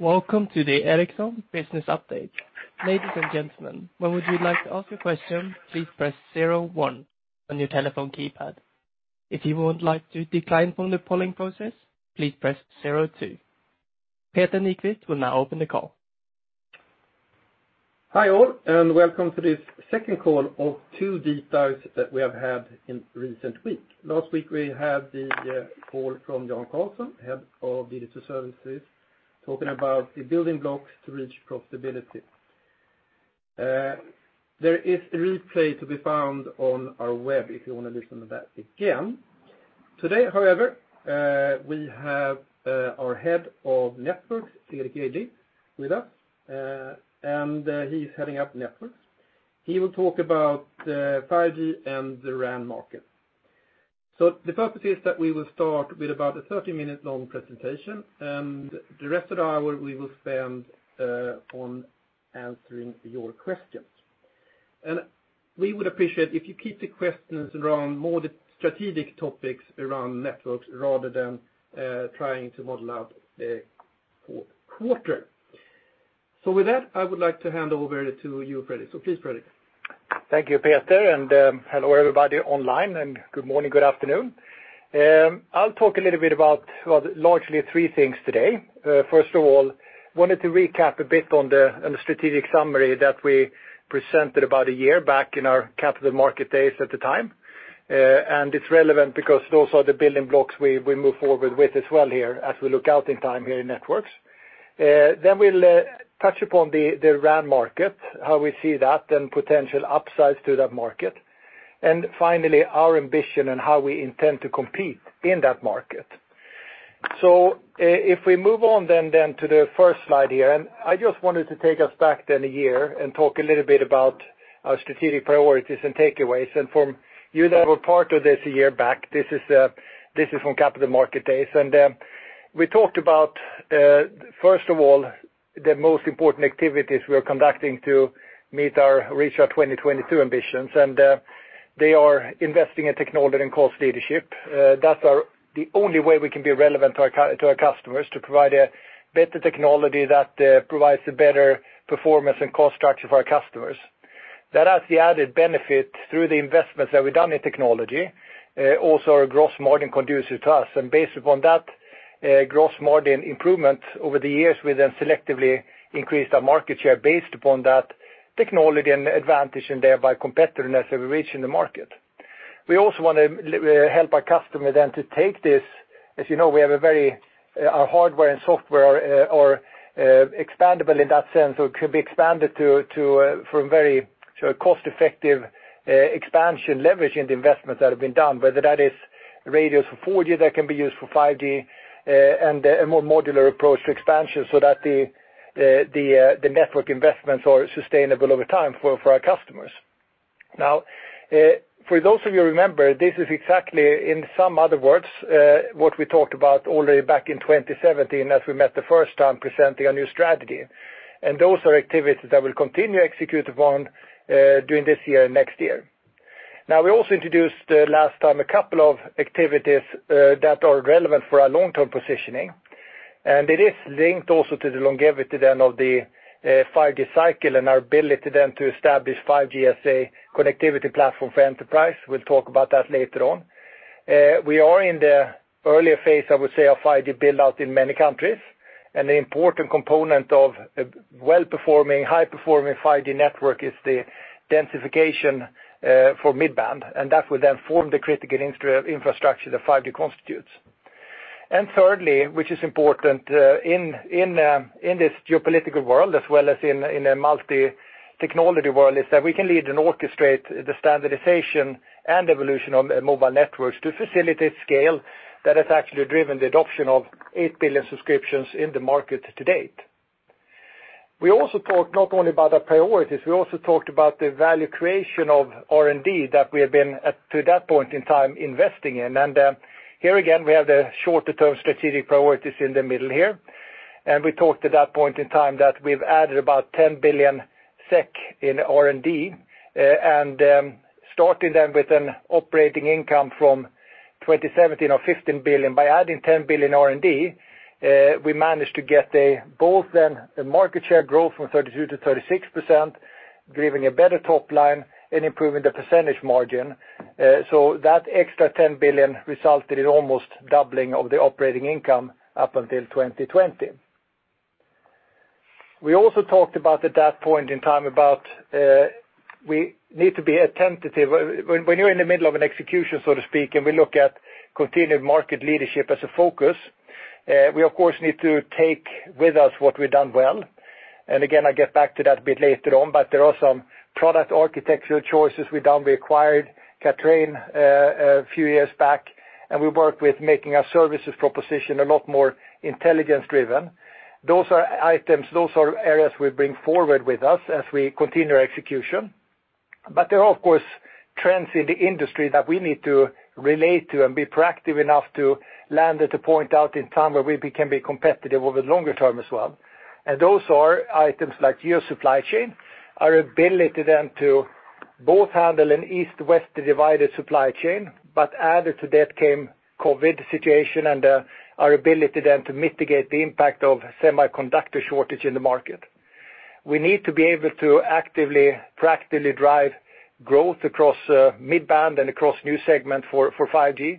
Welcome to the Ericsson Business Update. Ladies and gentlemen, when would you like to ask a question, please press 01 on your telephone keypad. If you would like to decline from the polling process, please press 02. Peter Nyquist will now open the call. Hi all, welcome to this second call of two deep dives that we have had in recent week. Last week, we had the call from Jan Karlsson, Head of Digital Services, talking about the building blocks to reach profitability. There is a replay to be found on our web if you want to listen to that again. Today, however, we have our Head of Networks, Fredrik Jejdling, with us, and he's heading up Networks. He will talk about 5G and the RAN market. The purpose is that we will start with about a 30-minute-long presentation, and the rest of the hour we will spend on answering your questions. We would appreciate if you keep the questions around more the strategic topics around Networks rather than trying to model out the quarter. With that, I would like to hand over to you, Fredrik. Please, Fredrik. Thank you, Peter, hello, everybody online, good morning, good afternoon. I'll talk a little bit about largely three things today. First of all, wanted to recap a bit on the strategic summary that we presented about a year back in our Capital Markets Day at the time. It's relevant because those are the building blocks we move forward with as well here as we look out in time here in Networks. We'll touch upon the RAN market, how we see that and potential upsides to that market. Finally, our ambition and how we intend to compete in that market. If we move on then to the first slide here, I just wanted to take us back then a year and talk a little bit about our strategic priorities and takeaways. From you that were part of this a year back, this is from Capital Markets Day. We talked about, first of all, the most important activities we are conducting to reach our 2022 ambitions. They are investing in technology and cost leadership. That's the only way we can be relevant to our customers, to provide a better technology that provides a better performance and cost structure for our customers. That has the added benefit through the investments that we've done in technology. Also, our gross margin conducive to us. Based upon that gross margin improvement over the years, we then selectively increased our market share based upon that technology and advantage and thereby competitiveness that we reach in the market. We also want to help our customer then to take this. As you know, our hardware and software are expandable in that sense, so it could be expanded from very cost-effective expansion, leveraging the investments that have been done, whether that is radios for 4G that can be used for 5G and a more modular approach to expansion so that the network investments are sustainable over time for our customers. For those of you who remember, this is exactly, in some other words, what we talked about all the way back in 2017 as we met the first time presenting our new strategy. Those are activities that we'll continue to execute upon during this year and next year. We also introduced last time a couple of activities that are relevant for our long-term positioning, and it is linked also to the longevity then of the 5G cycle and our ability then to establish 5G SA connectivity platform for enterprise. We'll talk about that later on. We are in the earlier phase, I would say, of 5G build-out in many countries, and the important component of a well-performing, high-performing 5G network is the densification for mid-band, and that will then form the critical infrastructure the 5G constitutes. Thirdly, which is important in this geopolitical world as well as in a multi-technology world, is that we can lead and orchestrate the standardization and evolution of mobile networks to facilitate scale that has actually driven the adoption of eight billion subscriptions in the market to date. We also talked not only about the priorities, we also talked about the value creation of R&D that we have been, to that point in time, investing in. Here again, we have the shorter-term strategic priorities in the middle here. We talked at that point in time that we've added about 10 billion SEK in R&D. Starting then with an operating income from 2017 of 15 billion. By adding 10 billion R&D, we managed to get both then a market share growth from 32%-36%, driving a better top line and improving the percentage margin. That extra 10 billion resulted in almost doubling of the operating income up until 2020. We also talked about, at that point in time, about we need to be attentive. When you're in the middle of an execution, so to speak, and we look at continued market leadership as a focus, we of course need to take with us what we've done well. Again, I'll get back to that a bit later on. There are some product architectural choices we've done. We acquired Kathrein a few years back, and we worked with making our services proposition a lot more intelligence driven. Those are items, those are areas we bring forward with us as we continue our execution. There are, of course, trends in the industry that we need to relate to and be proactive enough to land at a point out in time where we can be competitive over the longer term as well. Those are items like geo supply chain, our ability to both handle an east-west divided supply chain, but added to that came COVID situation and our ability to mitigate the impact of semiconductor shortage in the market. We need to be able to actively, practically drive growth across mid-band and across new segment for 5G.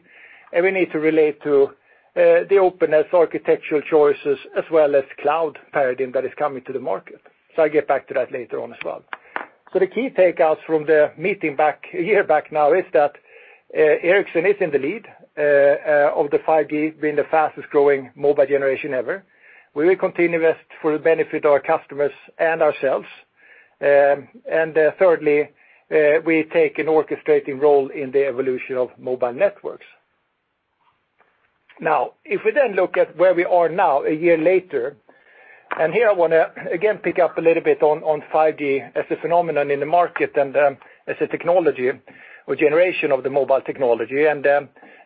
We need to relate to the openness architectural choices as well as cloud paradigm that is coming to the market. I'll get back to that later on as well. The key takeaways from the meeting a year back now is that Ericsson is in the lead of the 5G being the fastest-growing mobile generation ever. We will continue this for the benefit of our customers and ourselves. Thirdly, we take an orchestrating role in the evolution of mobile networks. If we look at where we are now a year later, here I want to, again, pick up a little bit on 5G as a phenomenon in the market and as a technology or generation of the mobile technology.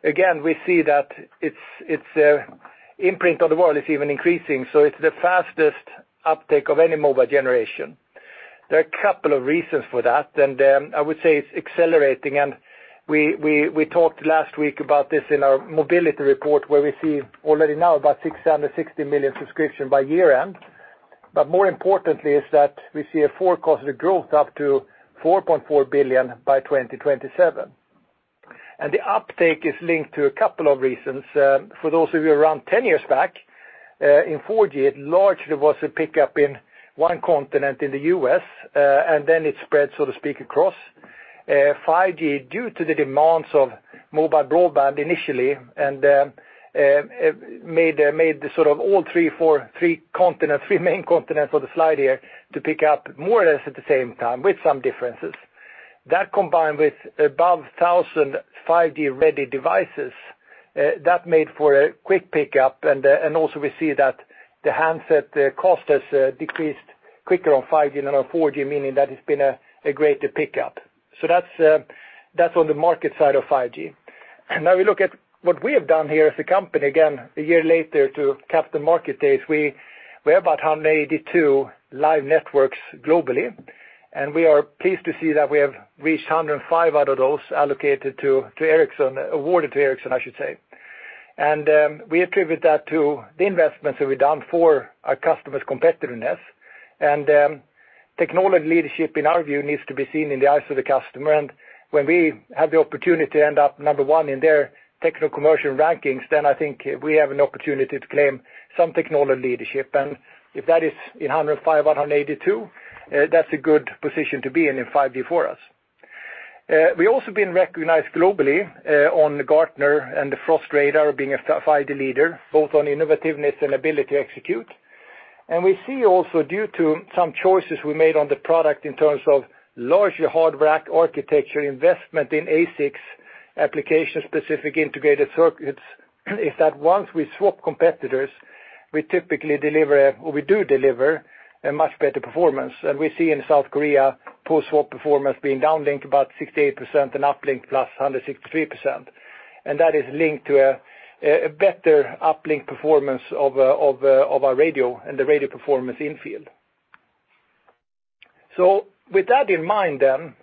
Again, we see that its imprint on the world is even increasing. It's the fastest uptake of any mobile generation. There are a couple of reasons for that, and I would say it's accelerating, and we talked last week about this in our Ericsson Mobility Report, where we see already now about 660 million subscriptions by year-end. More importantly is that we see a forecasted growth up to 4.4 billion by 2027. The uptake is linked to a couple of reasons. For those of you around 10 years back, in 4G, it largely was a pickup in one continent in the U.S., and then it spread, so to speak, across. 5G, due to the demands of mobile broadband initially, made the sort of all three main continents on the slide here to pick up more or less at the same time, with some differences. That combined with above 1,000 5G-ready devices, that made for a quick pickup, and also we see that the handset cost has decreased quicker on 5G than on 4G, meaning that it's been a greater pickup. That's on the market side of 5G. We look at what we have done here as a company, again, a year later to capture market days. We have about 182 live networks globally, we are pleased to see that we have reached 105 out of those allocated to Ericsson, awarded to Ericsson, I should say. We attribute that to the investments that we've done for our customers' competitiveness. Technology leadership, in our view, needs to be seen in the eyes of the customer. When we have the opportunity to end up number one in their techno-commercial rankings, then I think we have an opportunity to claim some technology leadership. If that is in 105 out of 182, that's a good position to be in in 5G for us. We've also been recognized globally on the Gartner and the Frost Radar being a 5G leader, both on innovativeness and ability to execute. We see also due to some choices we made on the product in terms of larger hardware architecture investment in ASICs, application-specific integrated circuits, is that once we swap competitors, we do deliver a much better performance. We see in South Korea, post-swap performance being downlink about 68% and uplink +163%. That is linked to a better uplink performance of our radio and the radio performance in-field. With that in mind then,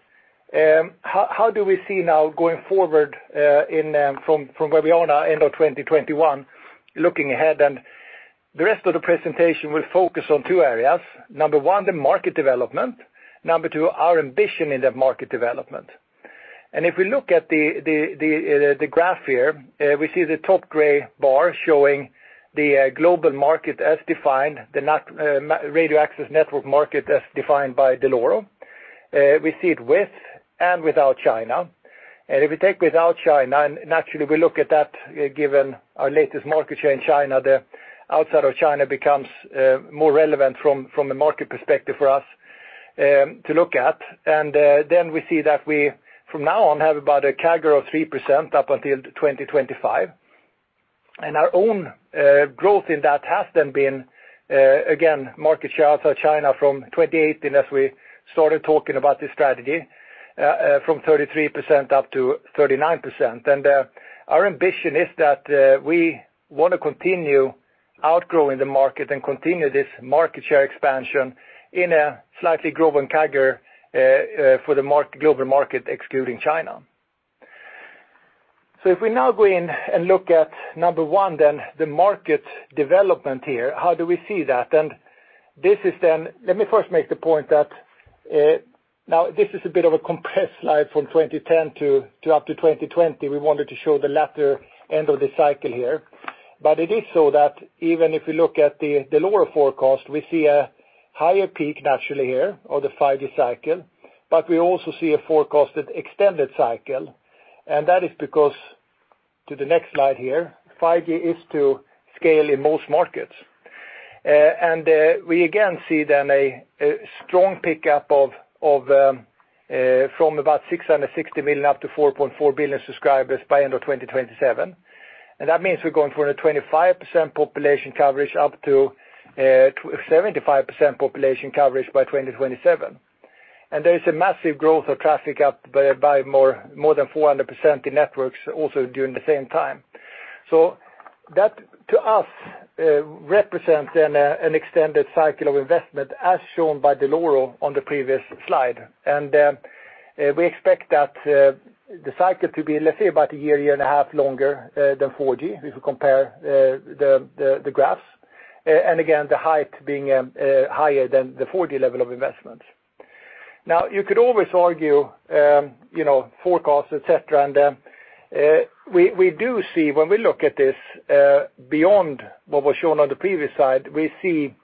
how do we see now going forward from where we are now, end of 2021, looking ahead? The rest of the presentation will focus on two areas. Number one, the market development. Number two, our ambition in that market development. If we look at the graph here, we see the top gray bar showing the global market as defined, the radio access network market as defined by Dell'Oro. We see it with and without China. If we take without China, and naturally, we look at that given our latest market share in China, the outside of China becomes more relevant from a market perspective for us to look at. Then we see that we, from now on, have about a CAGR of 3% up until 2025. Our own growth in that has then been, again, market share outside China from 2018 as we started talking about this strategy, from 33% up to 39%. Our ambition is that we want to continue outgrowing the market and continue this market share expansion in a slightly growing CAGR for the global market, excluding China. If we now go in and look at number one then, the market development here, how do we see that? Let me first make the point that now this is a bit of a compressed slide from 2010 up to 2020. We wanted to show the latter end of the cycle here. It is so that even if we look at the lower forecast, we see a higher peak naturally here of the 5G cycle, but we also see a forecasted extended cycle. That is because, to the next slide here, 5G is to scale in most markets. We again see then a strong pickup from about 660 million up to 4.4 billion subscribers by end of 2027. That means we're going from a 25% population coverage up to 75% population coverage by 2027. There is a massive growth of traffic up by more than 400% in networks also during the same time. That, to us, represents an extended cycle of investment, as shown by the Dell'Oro on the previous slide. We expect that the cycle to be, let's say, about a year and a half longer than 4G, if you compare the graphs. Again, the height being higher than the 4G level of investments. You could always argue forecasts, et cetera. We do see when we look at this, beyond what was shown on the previous slide, we see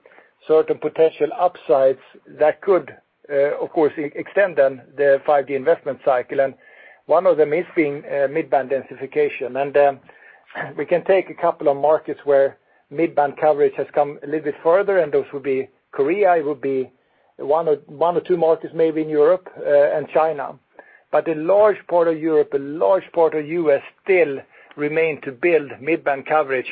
certain potential upsides that could, of course, extend then the 5G investment cycle, and one of them is being mid-band densification. We can take a couple of markets where mid-band coverage has come a little bit further, and those would be Korea, it would be one or two markets, maybe in Europe and China. A large part of Europe, a large part of the U.S. still remain to build mid-band coverage.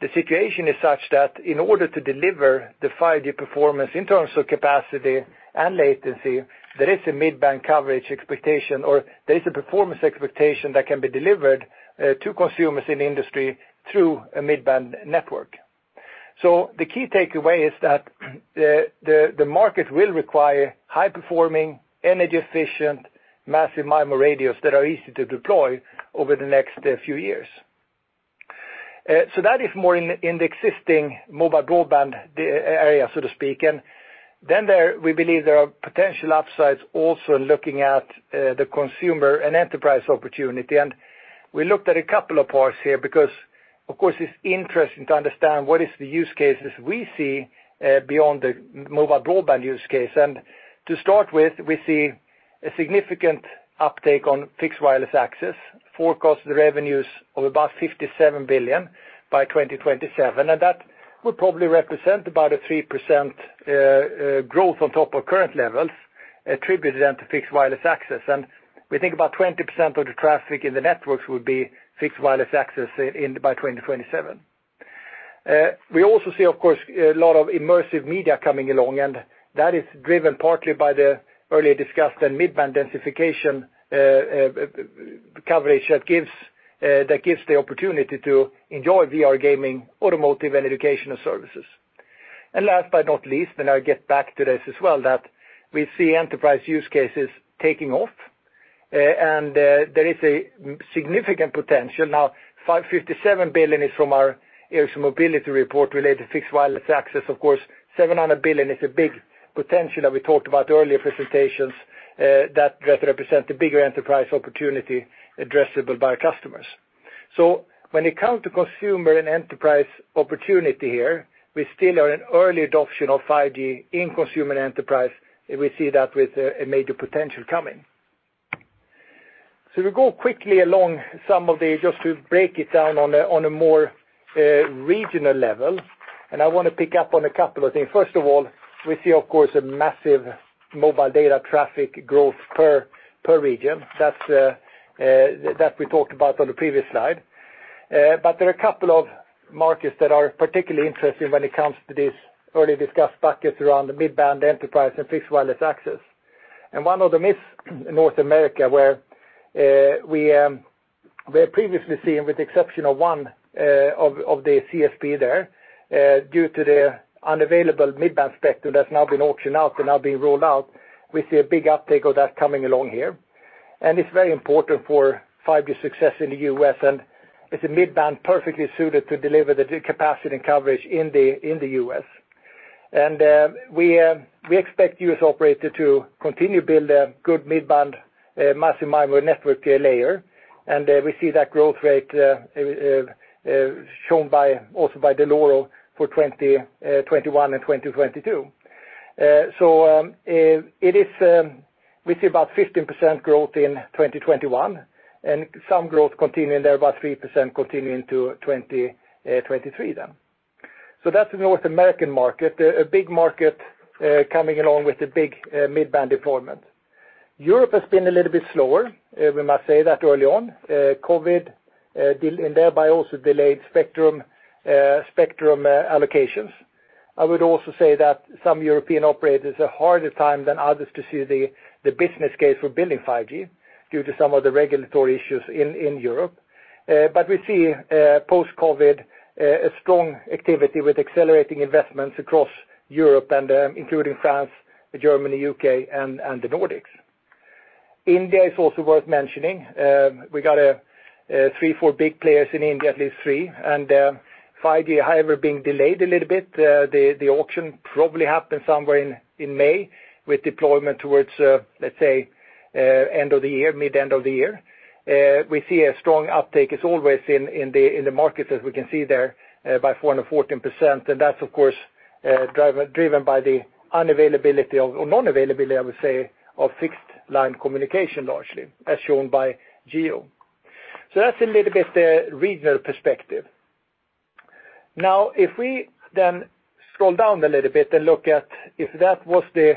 The situation is such that in order to deliver the 5G performance in terms of capacity and latency, there is a mid-band coverage expectation, or there is a performance expectation that can be delivered to consumers in the industry through a mid-band network. The key takeaway is that the market will require high-performing, energy-efficient, Massive MIMO radios that are easy to deploy over the next few years. That is more in the existing mobile broadband area, so to speak. We believe there are potential upsides also in looking at the consumer and enterprise opportunity. We looked at a couple of parts here because, of course, it's interesting to understand what is the use cases we see beyond the mobile broadband use case. To start with, we see a significant uptake on Fixed Wireless Access, forecasted revenues of about 57 billion by 2027. That would probably represent about a 3% growth on top of current levels attributed then to Fixed Wireless Access. We think about 20% of the traffic in the networks would be Fixed Wireless Access by 2027. We also see, of course, a lot of immersive media coming along, that is driven partly by the earlier discussed mid-band densification coverage that gives the opportunity to enjoy VR gaming, automotive, and educational services. Last but not least, and I'll get back to this as well, that we see enterprise use cases taking off. There is a significant potential. 57 billion is from our Ericsson Mobility Report related to Fixed Wireless Access. Of course, 700 billion is a big potential that we talked about earlier presentations. That represent the bigger enterprise opportunity addressable by our customers. When it comes to consumer and enterprise opportunity here, we still are in early adoption of 5G in consumer and enterprise. We see that with a major potential coming. We go quickly along some of the-- Just to break it down on a more regional level. I want to pick up on a couple of things. First of all, we see, of course, a massive mobile data traffic growth per region that we talked about on the previous slide. There are a couple of markets that are particularly interesting when it comes to this early discussed buckets around mid-band enterprise and Fixed Wireless Access. One of them is North America, where we have previously seen, with the exception of one of the CSP there, due to the unavailable mid-band spectrum that's now been auctioned out and now being rolled out, we see a big uptake of that coming along here. It's very important for 5G success in the U.S., and it's a mid-band perfectly suited to deliver the capacity and coverage in the U.S. We expect U.S. operator to continue build a good mid-band Massive MIMO network layer. We see that growth rate shown also by the Dell'Oro for 2021 and 2022. We see about 15% growth in 2021 and some growth continuing there, about 3% continuing to 2023. That's the North American market, a big market coming along with the big mid-band deployment. Europe has been a little bit slower, we must say that early on. COVID, thereby also delayed spectrum allocations. I would also say that some European operators a harder time than others to see the business case for building 5G due to some of the regulatory issues in Europe. We see post-COVID a strong activity with accelerating investments across Europe, including France, Germany, U.K., and the Nordics. India is also worth mentioning. We got three, four big players in India, at least three, and 5G, however, being delayed a little bit. The auction probably happened somewhere in May with deployment towards, let's say, end of the year, mid-end of the year. We see a strong uptake as always in the markets as we can see there by 414%. That's, of course, driven by the unavailability of, or non-availability, I would say, of fixed-line communication largely, as shown by Jio. That's a little bit the regional perspective. If we then scroll down a little bit and look at if that was the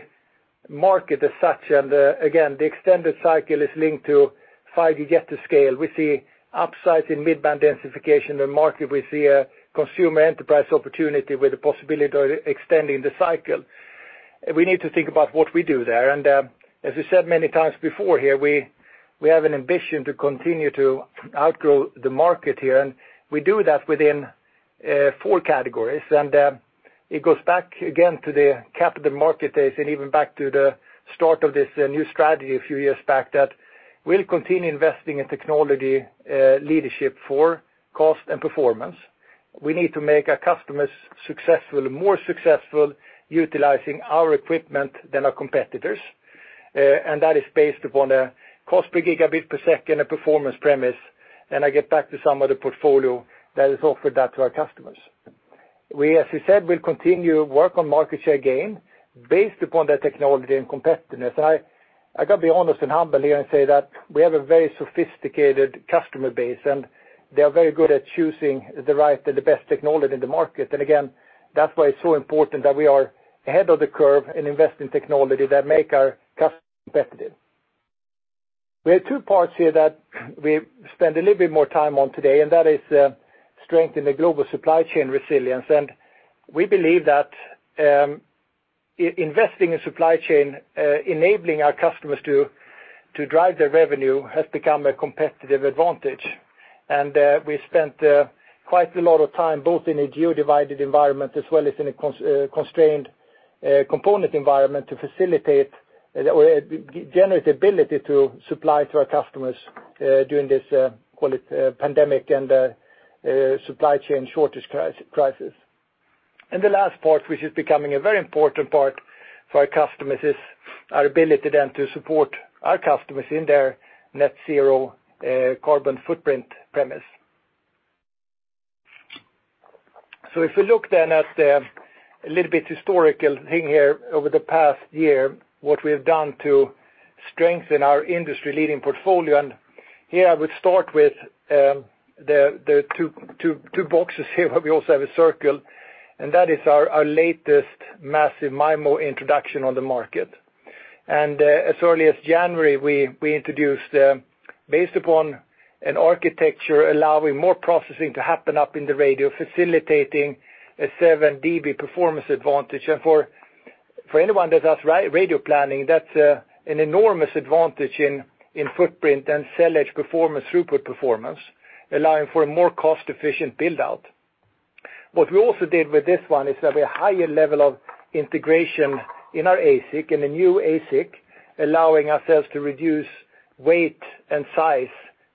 market as such, again, the extended cycle is linked to 5G get to scale. We see upsides in mid-band densification in the market. We see a consumer enterprise opportunity with the possibility of extending the cycle. We need to think about what we do there. As we said many times before here, we have an ambition to continue to outgrow the market here, and we do that within 4 categories. It goes back again to the Capital Markets Days and even back to the start of this new strategy a few years back, that we'll continue investing in technology leadership for cost and performance. We need to make our customers more successful utilizing our equipment than our competitors. That is based upon a cost per gigabit per second of performance premise. I get back to some of the portfolio that has offered that to our customers. We, as we said, will continue work on market share gain based upon the technology and competitiveness. I got to be honest and humble here and say that we have a very sophisticated customer base, and they are very good at choosing the right and the best technology in the market. Again, that's why it's so important that we are ahead of the curve in investing technology that make our customers competitive. We have two parts here that we spend a little bit more time on today, and that is strengthen the global supply chain resilience. We believe that investing in supply chain, enabling our customers to drive their revenue has become a competitive advantage. We spent quite a lot of time both in a geo-divided environment as well as in a constrained component environment to facilitate or generate the ability to supply to our customers during this pandemic and supply chain shortage crisis. The last part, which is becoming a very important part for our customers, is our ability then to support our customers in their Net Zero carbon footprint premise. If we look then at a little bit historical thing here over the past year, what we've done to strengthen our industry leading portfolio. Here I would start with the two boxes here, where we also have a circle, and that is our latest Massive MIMO introduction on the market. As early as January, we introduced based upon an architecture allowing more processing to happen up in the radio, facilitating a 7 dB performance advantage. For anyone that does radio planning, that's an enormous advantage in footprint and cell edge performance, throughput performance, allowing for a more cost-efficient build-out. What we also did with this one is that we have a higher level of integration in our ASIC, in the new ASIC, allowing ourselves to reduce weight and size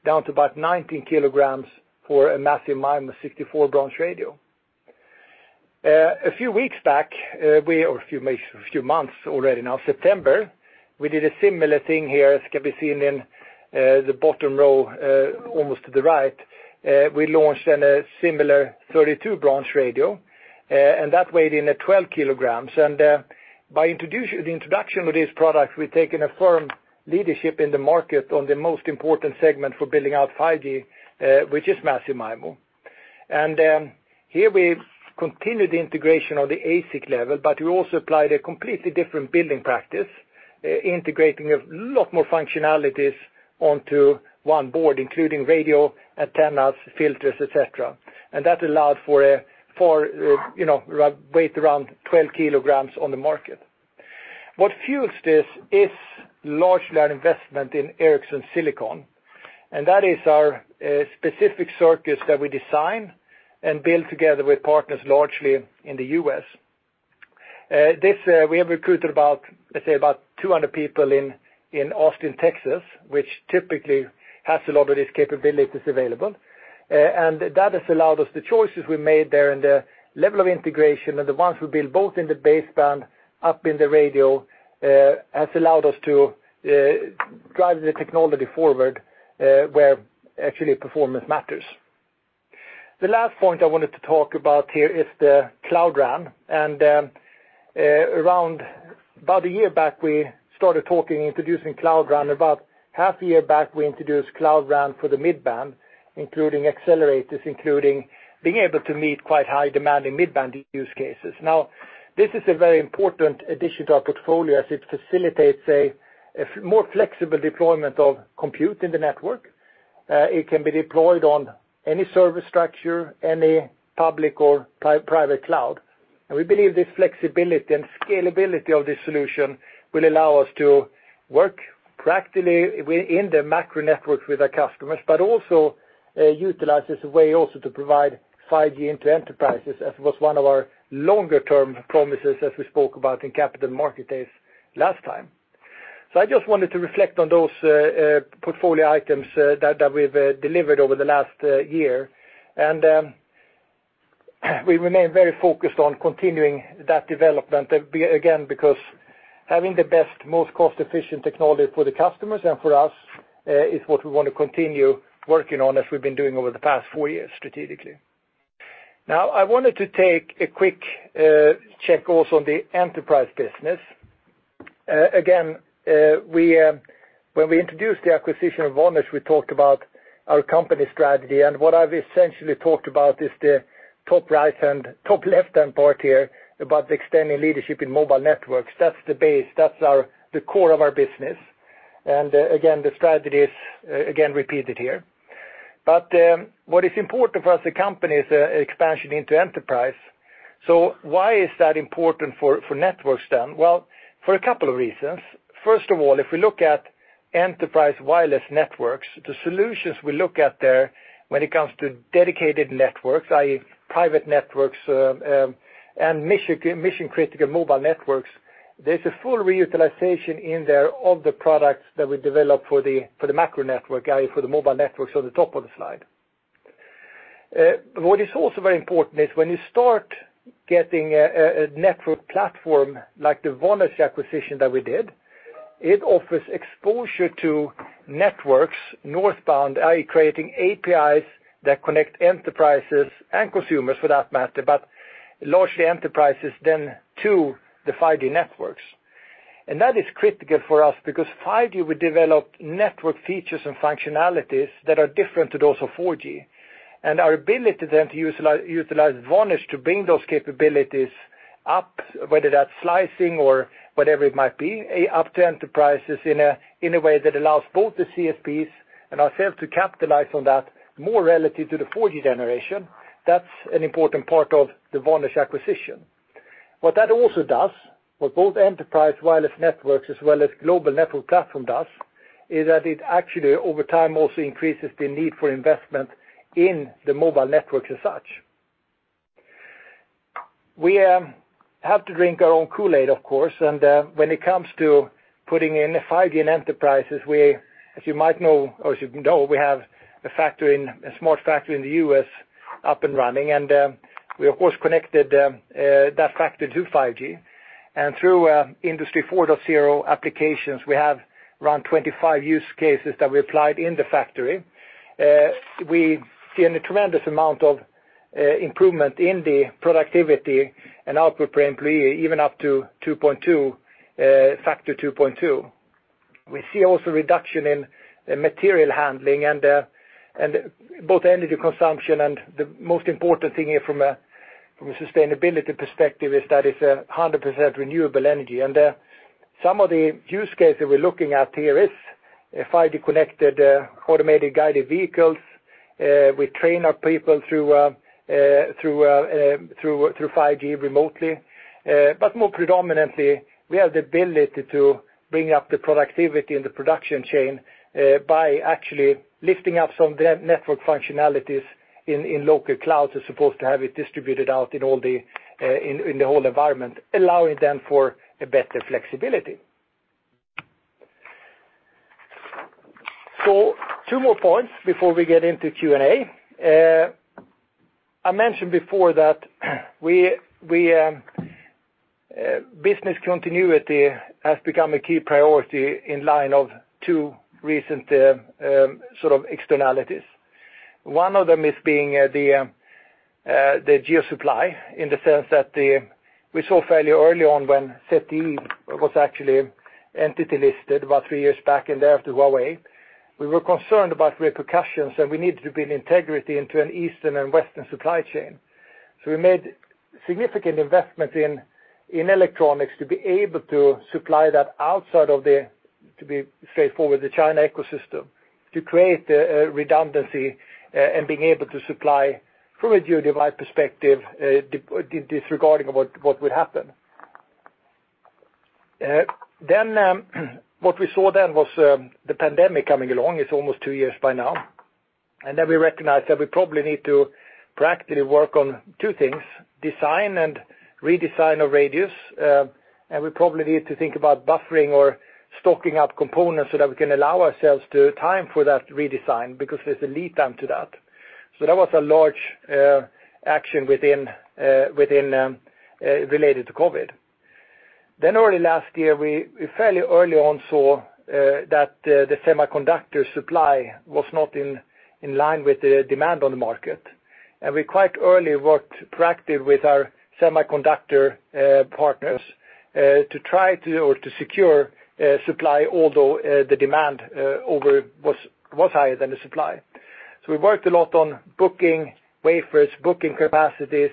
down to about 19 kilograms for a Massive MIMO 64 branch radio. A few weeks back, or a few months already now, September, we did a similar thing here, as can be seen in the bottom row, almost to the right. We launched in a similar 32 branch radio, and that weighed in at 12 kilograms. By the introduction of this product, we've taken a firm leadership in the market on the most important segment for building out 5G, which is Massive MIMO. Here we've continued the integration on the ASIC level, but we also applied a completely different building practice, integrating a lot more functionalities onto one board, including radio, antennas, filters, et cetera. That allowed for weight around 12 kilograms on the market. What fuels this is largely our investment in Ericsson Silicon, and that is our specific circuits that we design and build together with partners, largely in the U.S. We have recruited about, let's say about 200 people in Austin, Texas, which typically has a lot of these capabilities available. That has allowed us the choices we made there and the level of integration and the ones we build both in the baseband, up in the radio, has allowed us to drive the technology forward, where actually performance matters. The last point I wanted to talk about here is the Cloud RAN. About a year back, we started talking, introducing Cloud RAN. About half a year back, we introduced Cloud RAN for the mid-band, including accelerators, including being able to meet quite high demand in mid-band use cases. This is a very important addition to our portfolio as it facilitates a more flexible deployment of compute in the network. It can be deployed on any service structure, any public or private cloud. We believe this flexibility and scalability of this solution will allow us to work practically in the macro networks with our customers, but also utilize as a way also to provide 5G into enterprises, as was one of our longer-term promises, as we spoke about in Capital Markets Day last time. I just wanted to reflect on those portfolio items that we've delivered over the last year. We remain very focused on continuing that development, again, because having the best, most cost-efficient technology for the customers and for us is what we want to continue working on as we've been doing over the past four years strategically. I wanted to take a quick check also on the enterprise business. Again, when we introduced the acquisition of Vonage, we talked about our company strategy, and what I've essentially talked about is the top left-hand part here about extending leadership in mobile networks. That's the base. That's the core of our business. Again, the strategy is again repeated here. What is important for us as a company is expansion into enterprise. Why is that important for networks then? For a couple of reasons. First of all, if we look at enterprise wireless networks, the solutions we look at there when it comes to dedicated networks, i.e., private networks, and mission-critical mobile networks, there's a full reutilization in there of the products that we developed for the macro network, i.e., for the mobile networks on the top of the slide. What is also very important is when you start getting a network platform like the Vonage acquisition that we did, it offers exposure to networks northbound, i.e., creating APIs that connect enterprises and consumers for that matter, but largely enterprises then to the 5G networks. That is critical for us because 5G will develop network features and functionalities that are different to those of 4G. Our ability then to utilize Vonage to bring those capabilities up, whether that's slicing or whatever it might be, up to enterprises in a way that allows both the CSPs and ourselves to capitalize on that more relative to the 4G generation, that's an important part of the Vonage acquisition. What that also does, what both enterprise wireless networks as well as global network platform does, is that it actually, over time, also increases the need for investment in the mobile networks as such. We have to drink our own Kool-Aid, of course. When it comes to putting in 5G in enterprises, as you know, we have a smart factory in the U.S. up and running. We, of course, connected that factory to 5G. Through Industry 4.0 applications, we have around 25 use cases that we applied in the factory. We see a tremendous amount of improvement in the productivity and output per employee, even up to factor 2.2. We see also a reduction in material handling and both energy consumption and the most important thing here from a sustainability perspective is that it's 100% renewable energy. Some of the use cases we're looking at here is 5G-connected automated guided vehicles. We train our people through 5G remotely. More predominantly, we have the ability to bring up the productivity in the production chain by actually lifting up some network functionalities in local clouds as opposed to have it distributed out in the whole environment, allowing then for better flexibility. Two more points before we get into Q&A. I mentioned before that business continuity has become a key priority in line of two recent externalities. One of them is being the geo supply in the sense that we saw fairly early on when ZTE was actually entity listed about three years back, after Huawei. We were concerned about repercussions, and we needed to build integrity into an Eastern and Western supply chain. We made significant investments in electronics to be able to supply that outside of the, to be straightforward, the China ecosystem, to create a redundancy and being able to supply from a geo divide perspective disregarding what would happen. What we saw then was the pandemic coming along. It's almost two years by now. We recognized that we probably need to practically work on two things, design and redesign of radios, and we probably need to think about buffering or stocking up components so that we can allow ourselves the time for that redesign, because there's a lead time to that. That was a large action related to COVID. Early last year, we fairly early on saw that the semiconductor supply was not in line with the demand on the market. We quite early worked practically with our semiconductor partners to try to secure supply, although the demand was higher than the supply. We worked a lot on booking wafers, booking capacities,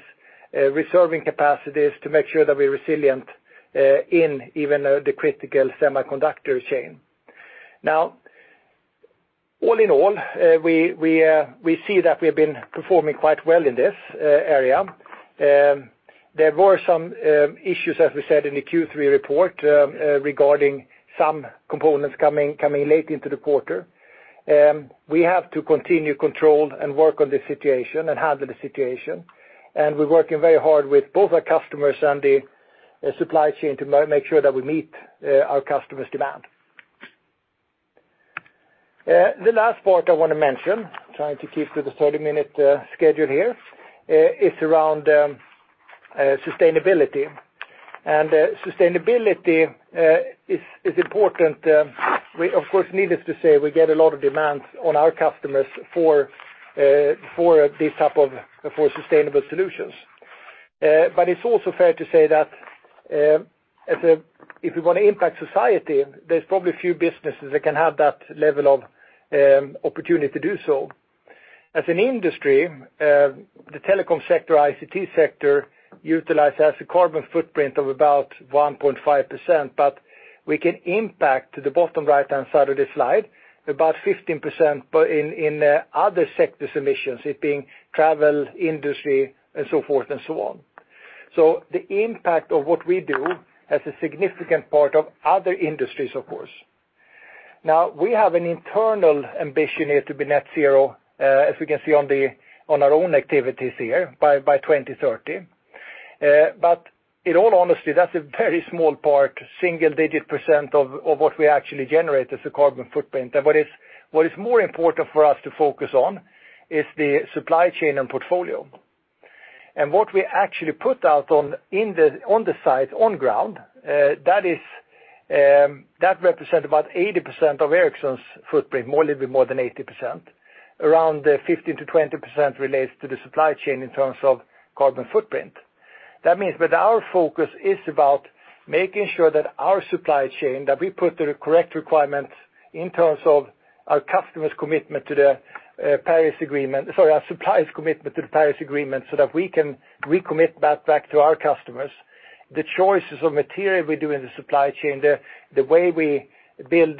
reserving capacities to make sure that we're resilient in even the critical semiconductor chain. All in all, we see that we've been performing quite well in this area. There were some issues, as we said in the Q3 report, regarding some components coming late into the quarter. We have to continue controlled and work on the situation and handle the situation. We're working very hard with both our customers and the supply chain to make sure that we meet our customers' demand. The last part I want to mention, trying to keep to the 30-minute schedule here, is around sustainability. Sustainability is important. Of course, needless to say, we get a lot of demands on our customers for sustainable solutions. It's also fair to say that if we want to impact society, there's probably a few businesses that can have that level of opportunity to do so. As an industry, the telecom sector, ICT sector, utilizes as a carbon footprint of about 1.5%, but we can impact, to the bottom right-hand side of the slide, about 15% in other sectors' emissions, it being travel, industry, and so forth and so on. The impact of what we do has a significant part of other industries, of course. We have an internal ambition here to be Net Zero, as we can see on our own activities here, by 2030. In all honesty, that's a very small part, single-digit percent of what we actually generate as a carbon footprint. What is more important for us to focus on is the supply chain and portfolio. What we actually put out on the site, on ground, that represent about 80% of Ericsson's footprint, a little bit more than 80%. Around 15%-20% relates to the supply chain in terms of carbon footprint. That means that our focus is about making sure that our supply chain, that we put the correct requirements in terms of our customer's commitment to the Paris Agreement-- Sorry, our suppliers' commitment to the Paris Agreement, so that we can recommit that back to our customers. The choices of material we do in the supply chain, the way we build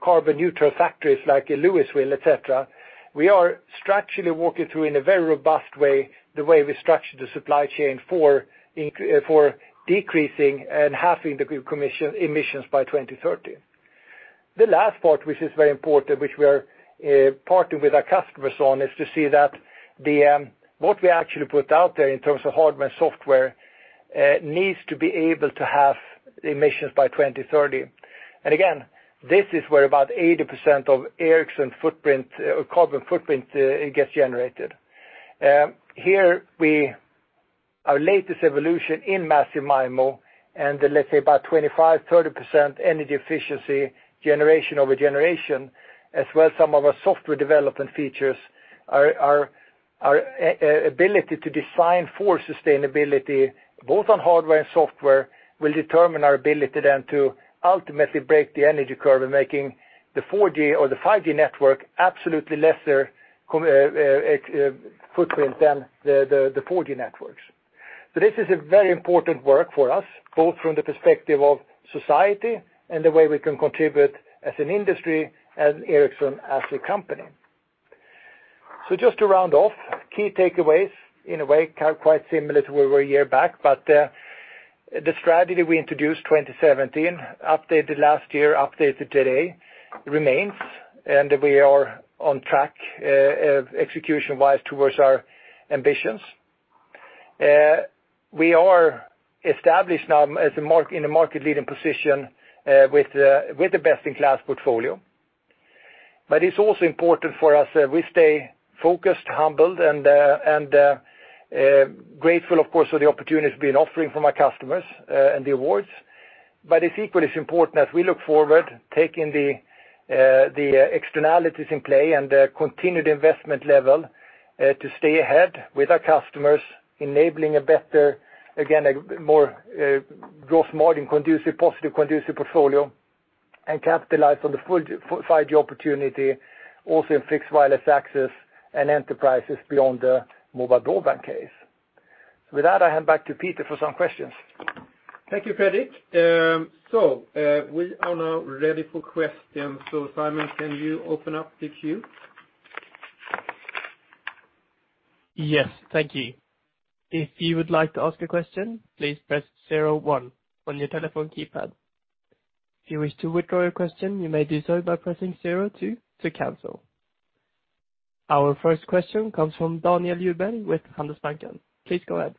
carbon neutral factories like in Lewisville, et cetera. We are structurally walking through in a very robust way, the way we structure the supply chain for decreasing and halving the emissions by 2030. The last part, which is very important, which we are partnering with our customers on, is to see that what we actually put out there in terms of hardware and software, needs to be able to halve emissions by 2030. This is where about 80% of Ericsson's carbon footprint gets generated. Here, our latest evolution in Massive MIMO and let's say about 25%-30% energy efficiency generation over generation, as well as some of our software development features. Our ability to design for sustainability, both on hardware and software, will determine our ability then to ultimately break the energy curve in making the 4G or the 5G network absolutely lesser footprint than the 4G networks. This is a very important work for us, both from the perspective of society and the way we can contribute as an industry and Ericsson as a company. Just to round off, key takeaways, in a way, quite similar to where we were a year back. The strategy we introduced 2017, updated last year, updated today, remains, and we are on track execution-wise towards our ambitions. We are established now in a market-leading position with the best-in-class portfolio. It's also important for us that we stay focused, humbled, and grateful, of course, for the opportunities being offered from our customers and the awards. It's equally as important that we look forward, taking the externalities in play and the continued investment level to stay ahead with our customers, enabling a better, again, a more gross margin conducive, positive conducive portfolio. Capitalize on the full 5G opportunity, also in Fixed Wireless Access and enterprises beyond the mobile broadband case. With that, I hand back to Peter for some questions. Thank you, Fredrik. We are now ready for questions. Simon, can you open up the queue? Yes, thank you. If you would like to ask a question, please press 01 on your telephone keypad. If you wish to withdraw your question, you may do so by pressing 02 to cancel. Our first question comes from Daniel Djurberg with. Please go ahead.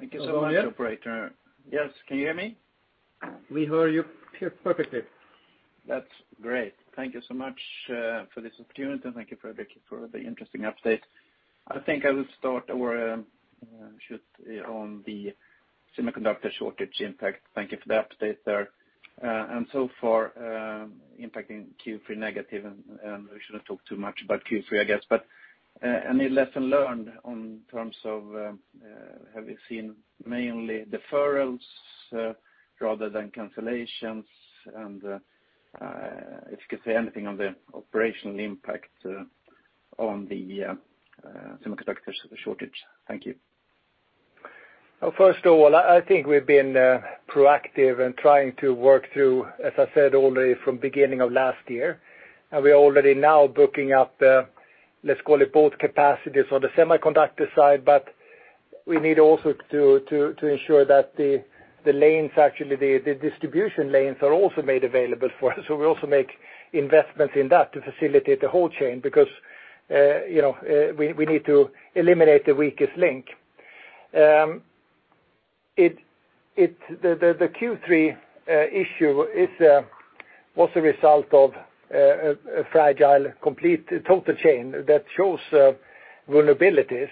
Thank you so much, operator. Yes, can you hear me? We hear you perfectly. That's great. Thank you so much for this opportunity, and thank you, Fredrik, for the interesting update. I think I will start on the semiconductor shortage impact. Thank you for the update there. So far, impacting Q3 negative, and we shouldn't talk too much about Q3, I guess. Any lesson learned in terms of have you seen mainly deferrals rather than cancellations? If you could say anything on the operational impact on the semiconductors shortage. Thank you. Well, first of all, I think we've been proactive in trying to work through, as I said already, from beginning of last year. We are already now booking up, let's call it both capacities on the semiconductor side, but we need also to ensure that the lanes, actually, the distribution lanes are also made available for us. We also make investments in that to facilitate the whole chain because we need to eliminate the weakest link. The Q3 issue was a result of a fragile, complete total chain that shows vulnerabilities.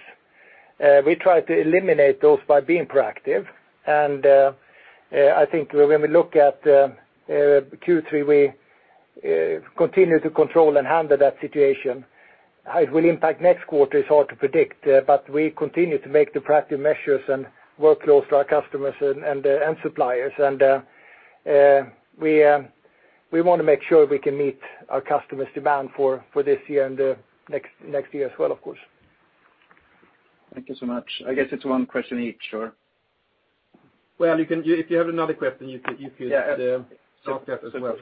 We try to eliminate those by being proactive, and I think when we look at Q3, we continue to control and handle that situation. How it will impact next quarter is hard to predict, but we continue to make the proactive measures and work close to our customers and suppliers. We want to make sure we can meet our customers' demand for this year and next year as well, of course. Thank you so much. I guess it's one question each, or? Well, if you have another question, you could- Yeah You could ask that as well.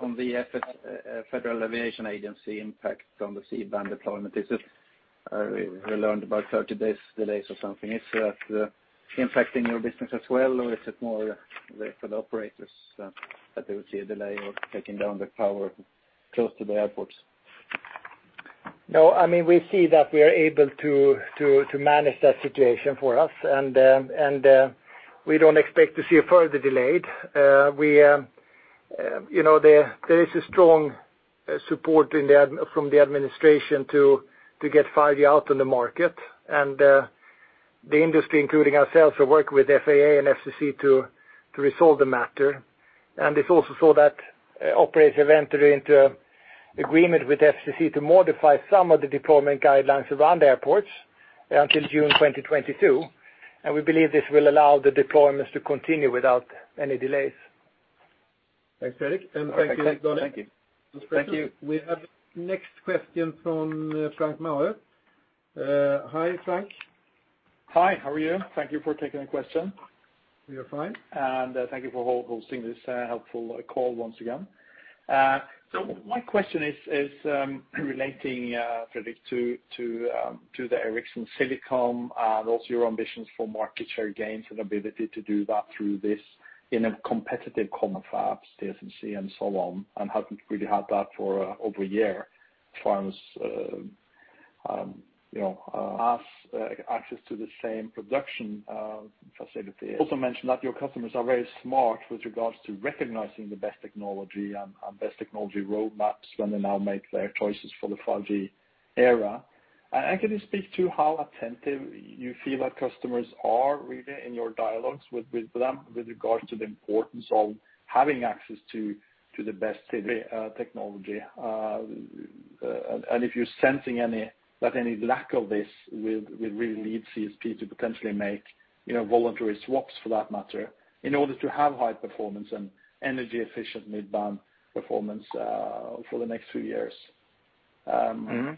On the Federal Aviation Administration impact from the C-band deployment. We learned about 30 days delays or something. Is that impacting your business as well, or is it more for the operators that they would see a delay or taking down the tower close to the airports? No, we see that we are able to manage that situation for us, and we don't expect to see a further delay. There is a strong support from the administration to get 5G out in the market, and the industry, including ourselves, are working with FAA and FCC to resolve the matter. It's also so that operators have entered into agreement with FCC to modify some of the deployment guidelines around airports until June 2022. We believe this will allow the deployments to continue without any delays. Thanks, Eric, and thank you, Jonas. Thank you. We have next question from Frank Maurer. Hi, Frank. Hi, how are you? Thank you for taking the question. We are fine. Thank you for hosting this helpful call once again. My question is relating, Fredrik, to the Ericsson Silicon, and also your ambitions for market share gains and ability to do that through this in a competitive fab, TSMC and so on, and haven't really had that for over a year. Firms ask access to the same production facility. Also mentioned that your customers are very smart with regards to recognizing the best technology and best technology roadmaps when they now make their choices for the 5G era. Can you speak to how attentive you feel that customers are really in your dialogues with them with regards to the importance of having access to the best technology? If you're sensing that any lack of this will really lead CSP to potentially make voluntary swaps for that matter, in order to have high performance and energy efficient mid-band performance for the next few years. The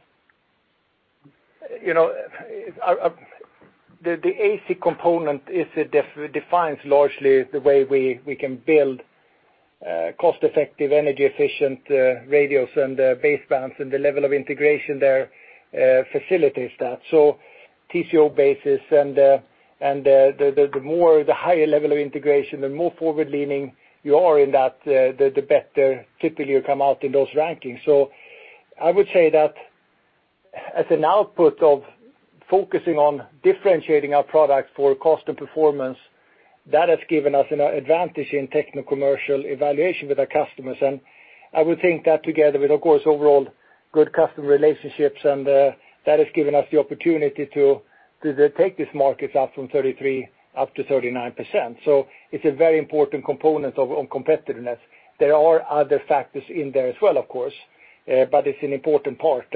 ASIC component defines largely the way we can build cost-effective, energy-efficient radios and basebands and the level of integration there facilitates that. TCO basis and the higher level of integration, the more forward-leaning you are in that, the better typically you come out in those rankings. I would say that as an output of focusing on differentiating our product for cost and performance, that has given us an advantage in technocommercial evaluation with our customers. I would think that together with, of course, overall good customer relationships, that has given us the opportunity to take these markets up from 33% up to 39%. It's a very important component on competitiveness. There are other factors in there as well, of course, but it's an important part.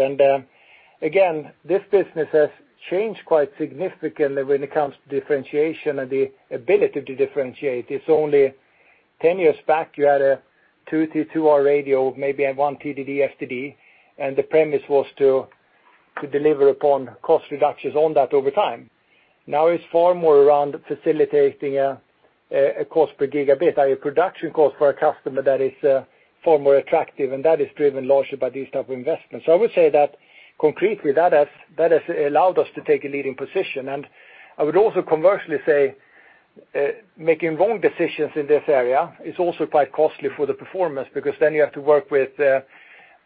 Again, this business has changed quite significantly when it comes to differentiation and the ability to differentiate. It's only 10 years back, you had a 2 2T2R radio, maybe 1 TDD, FDD, and the premise was to deliver upon cost reductions on that over time. Now it's far more around facilitating a cost per gigabit, a production cost for a customer that is far more attractive, and that is driven largely by these type of investments. I would say that concretely, that has allowed us to take a leading position. I would also commercially say, making wrong decisions in this area is also quite costly for the performance, because then you have to work with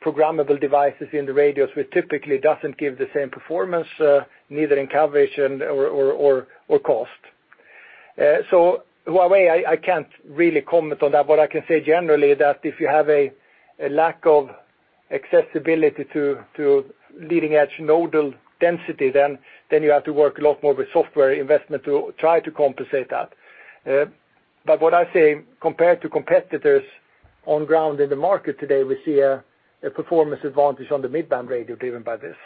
programmable devices in the radios, which typically doesn't give the same performance, neither in coverage or cost. Huawei, I can't really comment on that. What I can say generally that if you have a lack of accessibility to leading-edge nodal density, then you have to work a lot more with software investment to try to compensate that. What I say, compared to competitors on ground in the market today, we see a performance advantage on the mid-band radio driven by this.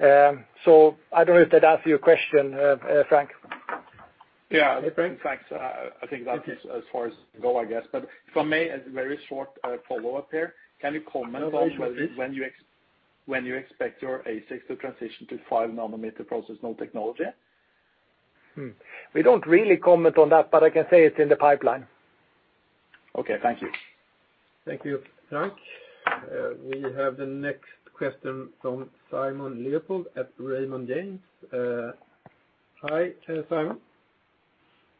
I don't know if that answers your question, Frank. Yeah. Anything? Thanks. I think that is as far as it go, I guess. If I may, a very short follow-up here. Can you comment on- No problem when you expect your ASICs to transition to five nanometer process node technology? We don't really comment on that, but I can say it's in the pipeline. Okay. Thank you. Thank you, Frank. We have the next question from Simon Leopold at Raymond James. Hi, Simon.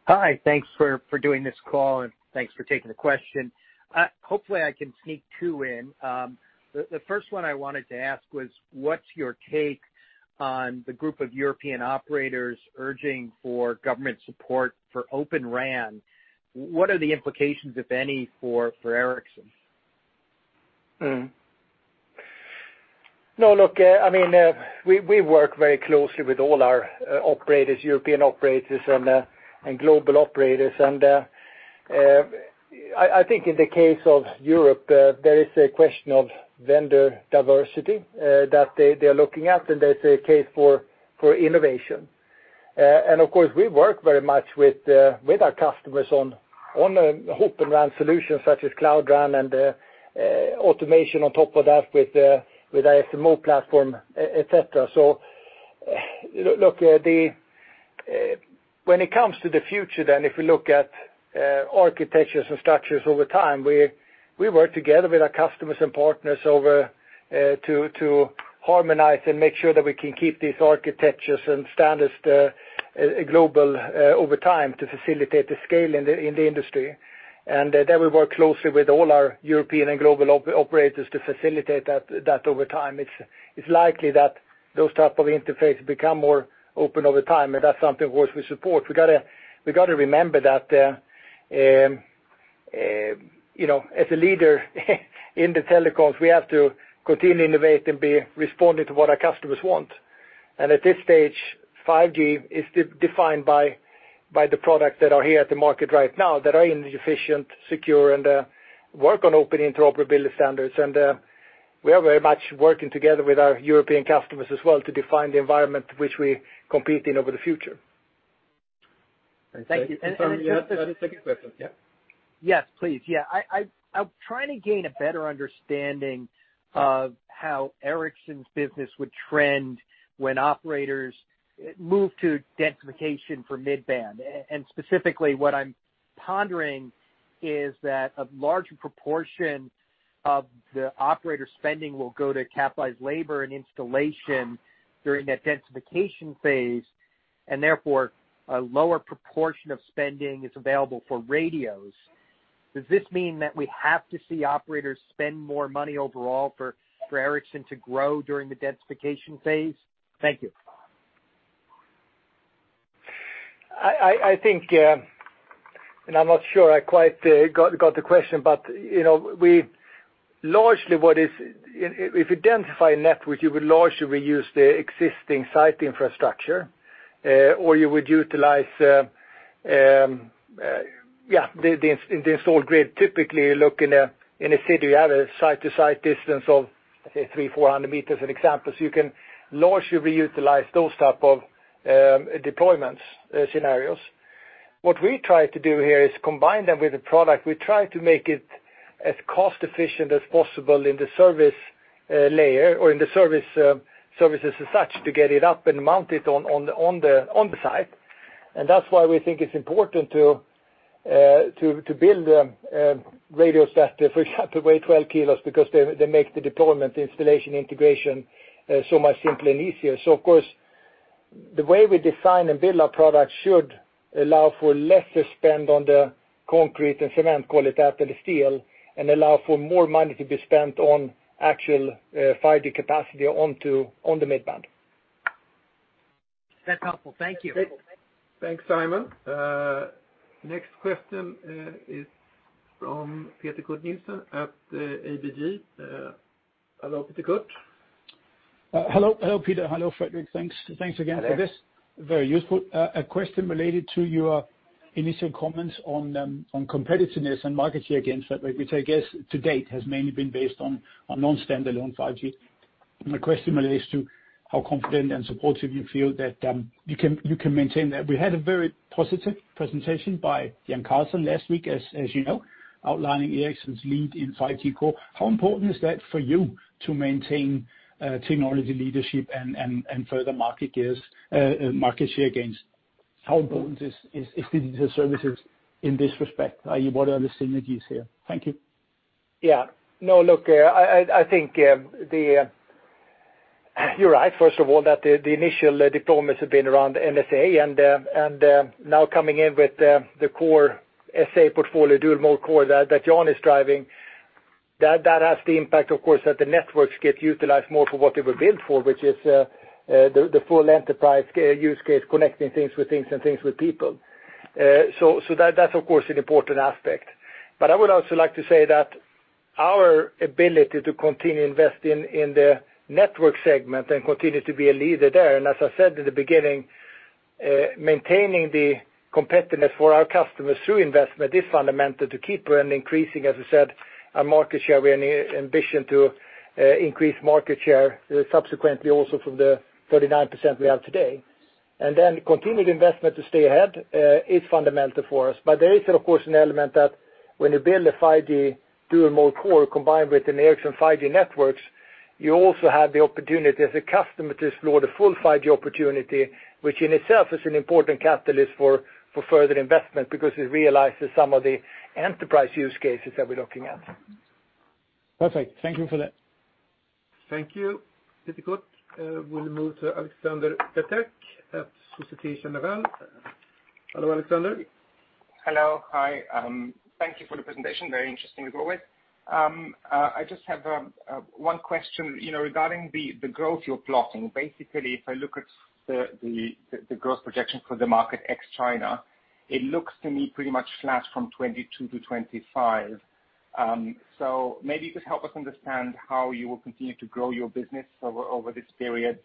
Hi. Thanks for doing this call, and thanks for taking the question. Hopefully, I can sneak two in. The first one I wanted to ask was, what's your take on the group of European operators urging for government support for Open RAN? What are the implications, if any, for Ericsson? Look, we work very closely with all our operators, European operators and global operators. I think in the case of Europe, there is a question of vendor diversity that they're looking at, and there's a case for innovation. Of course, we work very much with our customers on Open RAN solutions such as Cloud RAN and automation on top of that with our SMO platform, et cetera. Look, when it comes to the future, then if we look at architectures and structures over time, we work together with our customers and partners over to harmonize and make sure that we can keep these architectures and standards global over time to facilitate the scale in the industry. There we work closely with all our European and global operators to facilitate that over time. It's likely that those type of interfaces become more open over time, and that's something worth we support. We got to remember that, as a leader in the telecoms, we have to continue innovate and be responding to what our customers want. At this stage, 5G is defined by the products that are here at the market right now that are energy efficient, secure, and work on open interoperability standards. We are very much working together with our European customers as well to define the environment which we compete in over the future. Thank you. Sorry, you had a second question. Yeah. Yes, please. Yeah. I'm trying to gain a better understanding of how Ericsson's business would trend when operators move to densification for mid-band. Specifically, what I'm pondering is that a large proportion of the operator spending will go to capitalized labor and installation during that densification phase, and therefore, a lower proportion of spending is available for radios. Does this mean that we have to see operators spend more money overall for Ericsson to grow during the densification phase? Thank you. I think, I'm not sure I quite got the question, but if you densify a network, you would largely reuse the existing site infrastructure, or you would utilize the installed grid. Typically, you look in a city, you have a site-to-site distance of, let's say three, 400 meters, an example. You can largely reutilize those type of deployments scenarios. What we try to do here is combine them with a product. We try to make it as cost-efficient as possible in the service layer or in the services as such to get it up and mount it on the site. That's why we think it's important to build radios that, for example, weigh 12 kilos because they make the deployment, installation, integration, so much simpler and easier. Of course, the way we design and build our products should allow for lesser spend on the concrete and cement, call it that, and the steel, and allow for more money to be spent on actual 5G capacity onto on the mid-band. That's helpful. Thank you. Thanks, Simon. Next question is from Peter Kurt Nielsen at ABG. Hello, Peter Kurt. Hello, Peter. Hello, Fredrik. Thanks again for this. Hello. Very useful. A question related to your initial comments on competitiveness and market share gains that, which I guess to date has mainly been based on non-standalone 5G. My question relates to how confident and supportive you feel that you can maintain that. We had a very positive presentation by Jan Karlsson last week, as you know, outlining Ericsson's lead in 5G Core. How important is that for you to maintain technology leadership and further market share gains? How important is digital services in this respect? What are the synergies here? Thank you. Yeah. No, look, I think you're right, first of all, that the initial deployments have been around NSA and now coming in with the core SA portfolio, dual-mode 5G Core that Jan is driving. That has the impact, of course, that the networks get utilized more for what they were built for, which is the full enterprise use case, connecting things with things and things with people. That's, of course, an important aspect. I would also like to say that our ability to continue investing in the network segment and continue to be a leader there, and as I said in the beginning, maintaining the competitiveness for our customers through investment is fundamental to keep on increasing, as I said, our market share. We have an ambition to increase market share subsequently also from the 39% we have today. Continued investment to stay ahead is fundamental for us. There is, of course, an element that when you build a 5G dual-mode 5G Core combined with an Ericsson 5G networks, you also have the opportunity as a customer to explore the full 5G opportunity, which in itself is an important catalyst for further investment because it realizes some of the enterprise use cases that we're looking at. Perfect. Thank you for that. Thank you, Peter Kurt. We'll move to Alexandre Duval at Societe Generale. Hello, Alexandre. Hello. Hi. Thank you for the presentation. Very interesting as always. I just have one question. Regarding the growth you're plotting, basically, if I look at the growth projection for the market ex-China, it looks to me pretty much flat from 2022 to 2025. Maybe you could help us understand how you will continue to grow your business over this period.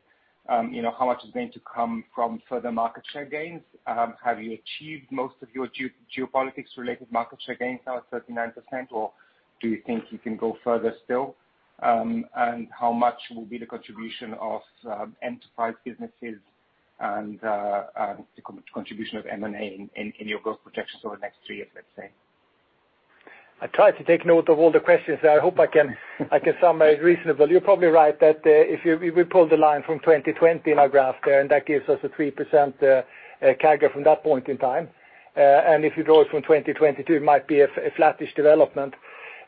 How much is going to come from further market share gains? Have you achieved most of your geopolitics-related market share gains now at 39%, or do you think you can go further still? How much will be the contribution of enterprise businesses and the contribution of M&A in your growth projections over the next three years, let's say? I try to take note of all the questions, I hope I can summarize reasonably. You're probably right that if we pull the line from 2020 in our graph there, that gives us a 3% CAGR from that point in time, if you draw it from 2022, it might be a flattish development.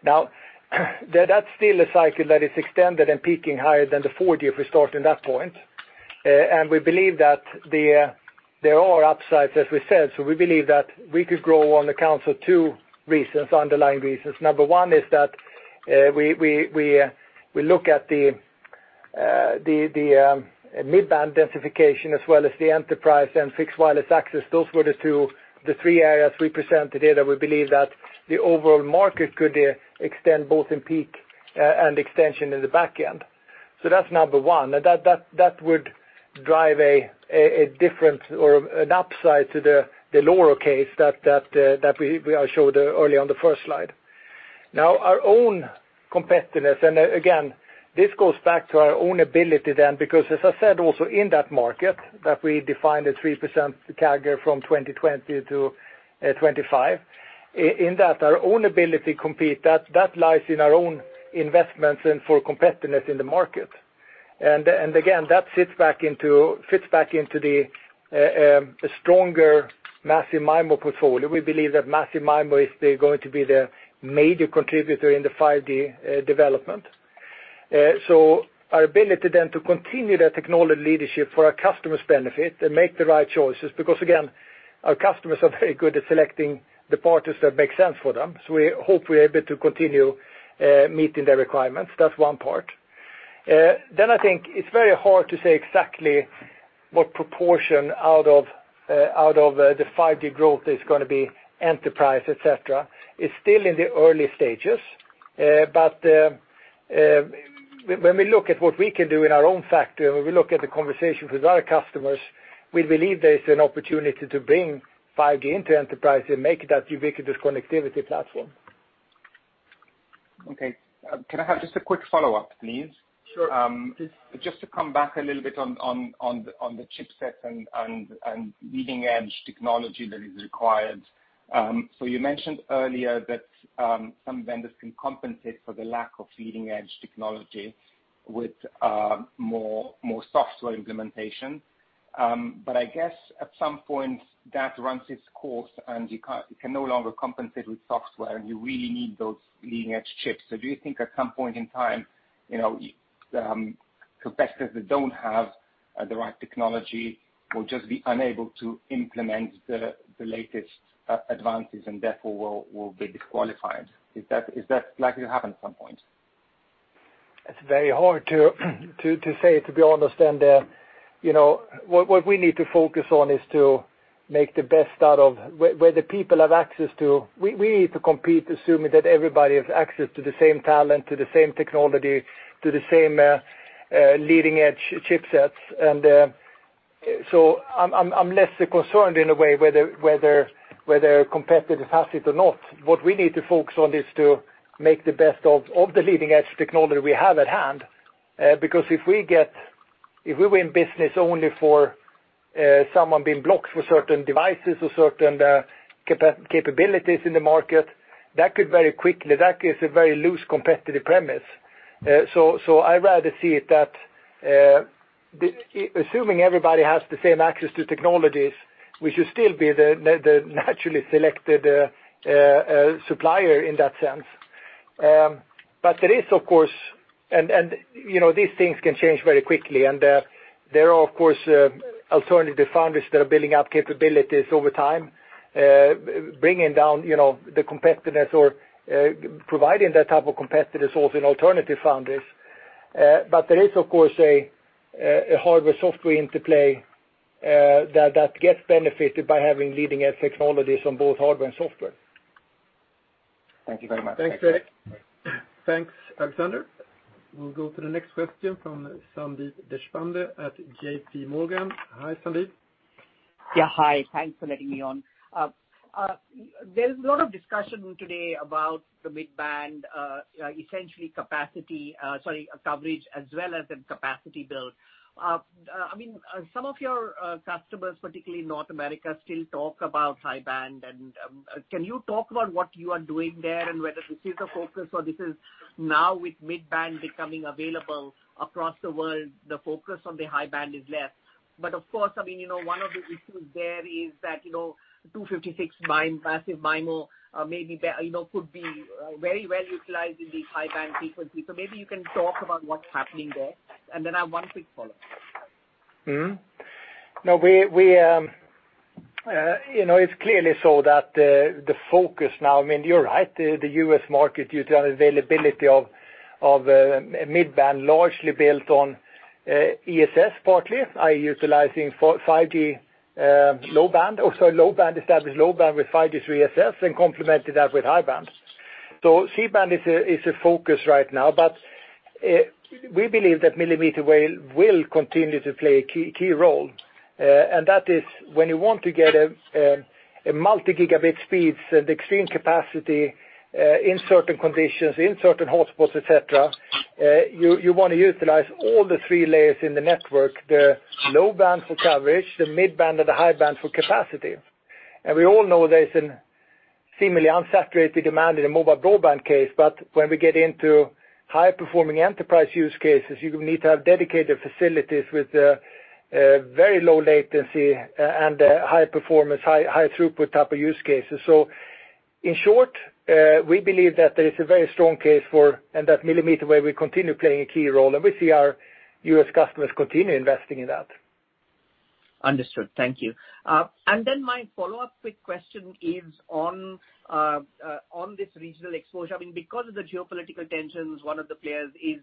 That's still a cycle that is extended and peaking higher than the 4G if we start in that point. We believe that there are upsides, as we said. We believe that we could grow on the count of two reasons, underlying reasons. Number one is that we look at the mid-band densification as well as the enterprise and Fixed Wireless Access. Those were the three areas we presented here that we believe that the overall market could extend both in peak and extension in the back end. That's number one. That would drive a difference or an upside to the lower case that I showed earlier on the first slide. Our own competitiveness, and again, this goes back to our own ability then, because as I said also in that market, that we defined a 3% CAGR from 2020 to 2025. In that, our own ability to compete, that lies in our own investments and for competitiveness in the market. Again, that fits back into the stronger Massive MIMO portfolio. We believe that Massive MIMO is going to be the major contributor in the 5G development. Our ability then to continue that technology leadership for our customers' benefit and make the right choices, because again, our customers are very good at selecting the parties that make sense for them. We hope we're able to continue meeting their requirements. That's one part. I think it's very hard to say exactly what proportion out of the 5G growth is going to be enterprise, et cetera. It's still in the early stages. When we look at what we can do in our own factor, and when we look at the conversations with our customers, we believe there's an opportunity to bring 5G into enterprise and make that ubiquitous connectivity platform. Okay. Can I have just a quick follow-up, please? Sure. Just to come back a little bit on the chipsets and leading-edge technology that is required. You mentioned earlier that some vendors can compensate for the lack of leading-edge technology with more software implementation. I guess at some point that runs its course, and you can no longer compensate with software, and you really need those leading-edge chips. Do you think at some point in time, competitors that don't have the right technology will just be unable to implement the latest advances, and therefore will be disqualified? Is that likely to happen at some point? It's very hard to say, to be honest. What we need to focus on is to make the best out of where the people have access to. We need to compete assuming that everybody has access to the same talent, to the same technology, to the same leading-edge chipsets. I'm less concerned in a way whether a competitor has it or not. What we need to focus on is to make the best of the leading-edge technology we have at hand, because if we were in business only for someone being blocked for certain devices or certain capabilities in the market, that gives a very loose competitive premise. I'd rather see it that assuming everybody has the same access to technologies, we should still be the naturally selected supplier in that sense. These things can change very quickly, and there are, of course, alternative founderies that are building up capabilities over time, bringing down the competitiveness or providing that type of competitive source in alternative foundries. There is, of course, a hardware-software interplay that gets benefited by having leading-edge technologies on both hardware and software. Thank you very much. Thanks. Thanks, Alexander. We'll go to the next question from Sandeep Deshpande at JP Morgan. Hi, Sandeep. Hi. Thanks for letting me on. There's a lot of discussion today about the mid-band, essentially coverage as well as the capacity build. Some of your customers, particularly in North America, still talk about high band. Can you talk about what you are doing there and whether this is a focus or this is now with mid-band becoming available across the world, the focus on the high band is less? Of course, one of the issues there is that 256 Massive MIMO could be very well utilized in the high band frequency. Maybe you can talk about what's happening there. Then I have one quick follow-up. It's clearly so that the focus now, you're right, the U.S. market due to unavailability of mid-band largely built on DSS partly, i.e., utilizing 5G low band. Also low band established low band with 5G DSS and complemented that with high band. C-band is a focus right now. We believe that millimeter wave will continue to play a key role. That is when you want to get a multi-gigabit speeds and extreme capacity in certain conditions, in certain hotspots, et cetera, you want to utilize all the three layers in the network, the low band for coverage, the mid band, and the high band for capacity. We all know there is an seemingly unsaturated demand in the mobile broadband case. When we get into high-performing enterprise use cases, you need to have dedicated facilities with very low latency and high performance, high throughput type of use cases. In short, we believe that there is a very strong case for, and that millimeter wave will continue playing a key role, and we see our U.S. customers continue investing in that. Understood. Thank you. My follow-up quick question is on this regional exposure. Because of the geopolitical tensions, one of the players is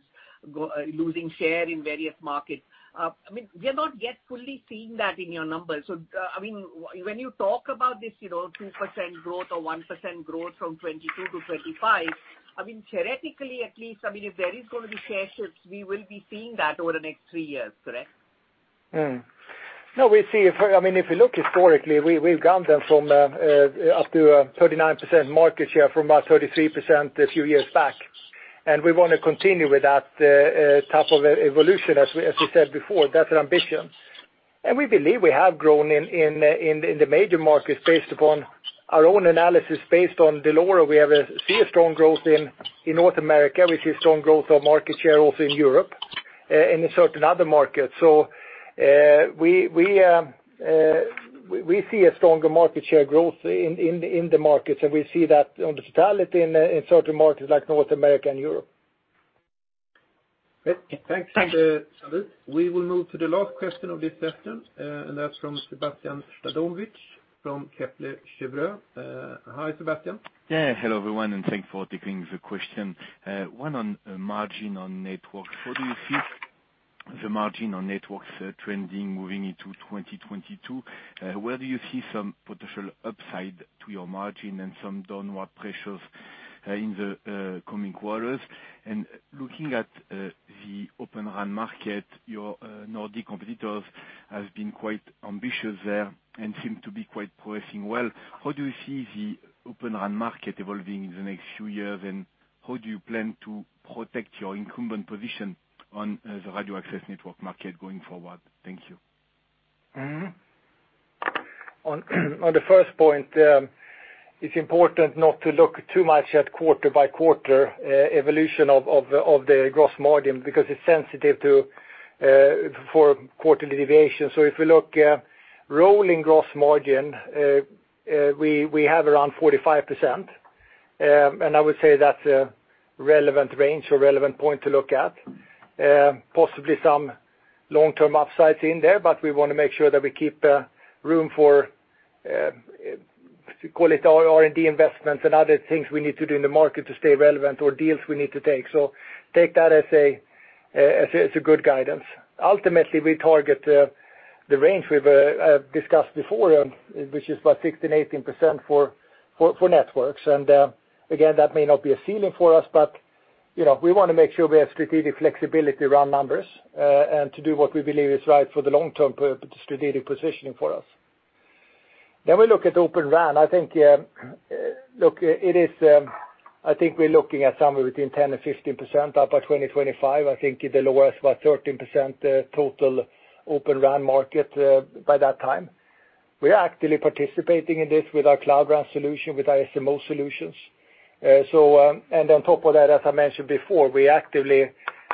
losing share in various markets. We have not yet fully seen that in your numbers. When you talk about this 2% growth or 1% growth from 2022 to 2025, theoretically at least, if there is going to be share shifts, we will be seeing that over the next three years, correct? If you look historically, we've gone then from up to a 39% market share from about 33% a few years back. We want to continue with that type of evolution, as we said before. That's an ambition. We believe we have grown in the major markets based upon our own analysis. Based on Dell'Oro, we see a strong growth in North America. We see strong growth of market share also in Europe, and in certain other markets. We see a stronger market share growth in the markets, and we see that on the totality in certain markets like North America and Europe. Great. Thanks. Thanks. We will move to the last question of this session. That's from Sébastien Sztabowicz from Kepler Cheuvreux. Hi, Sébastien. Yeah. Hello, everyone. Thanks for taking the question. One on margin on networks. How do you see the margin on networks trending moving into 2022? Where do you see some potential upside to your margin and some downward pressures in the coming quarters? Looking at the Open RAN market, your Nordic competitors have been quite ambitious there and seem to be quite progressing well. How do you see the Open RAN market evolving in the next few years, and how do you plan to protect your incumbent position on the radio access network market going forward? Thank you. On the first point, it's important not to look too much at quarter-by-quarter evolution of the gross margin, because it's sensitive for quarterly deviation. If we look rolling gross margin, we have around 45%. I would say that's a relevant range or relevant point to look at. Possibly some long-term upsides in there, but we want to make sure that we keep room for, call it R&D investments and other things we need to do in the market to stay relevant or deals we need to take. Take that as a good guidance. Ultimately, we target the range we've discussed before, which is about 16%-18% for networks. Again, that may not be a ceiling for us, but we want to make sure we have strategic flexibility around numbers, and to do what we believe is right for the long term strategic positioning for us. We look at Open RAN. I think we're looking at somewhere between 10%-15% up by 2025. I think it lowers about 13% total Open RAN market by that time. We are actively participating in this with our Cloud RAN solution, with our SMO solutions. On top of that, as I mentioned before, we're actively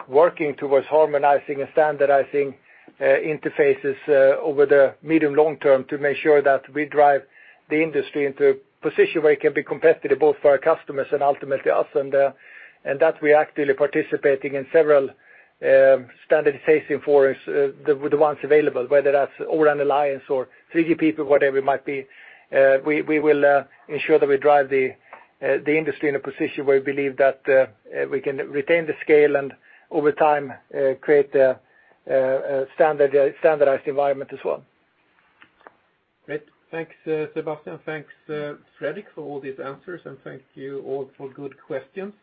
working towards harmonizing and standardizing interfaces over the medium long term to make sure that we drive the industry into a position where it can be competitive both for our customers and ultimately us. That we're actively participating in several standardization forums, the ones available, whether that's O-RAN Alliance or 3GPP, whatever it might be. We will ensure that we drive the industry in a position where we believe that we can retain the scale and over time, create a standardized environment as well. Great. Thanks, Sébastien. Thanks, Fredrik, for all these answers. Thank you all for good questions.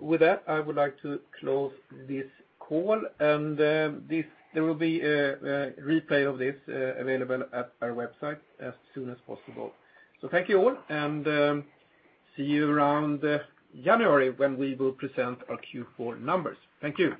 With that, I would like to close this call. There will be a replay of this available at our website as soon as possible. Thank you all, and see you around January when we will present our Q4 numbers. Thank you.